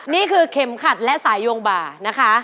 นี่คือเข็มขัดและสายยงบ่านะคะ